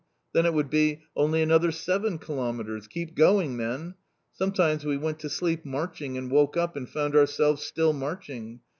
Then it would be: 'Only another seven kilometres! keep going, men!' Sometimes we went to sleep marching and woke up and found ourselves still marching.